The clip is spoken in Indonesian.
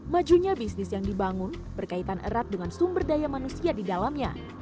majunya bisnis yang dibangun berkaitan erat dengan sumber daya manusia di dalamnya